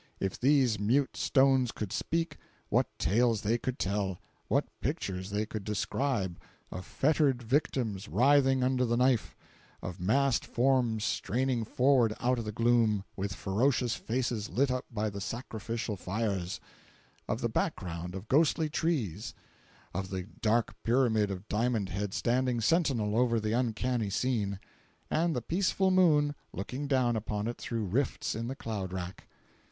If these mute stones could speak, what tales they could tell, what pictures they could describe, of fettered victims writhing under the knife; of massed forms straining forward out of the gloom, with ferocious faces lit up by the sacrificial fires; of the background of ghostly trees; of the dark pyramid of Diamond Head standing sentinel over the uncanny scene, and the peaceful moon looking down upon it through rifts in the cloud rack!